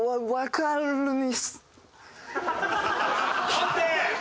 判定！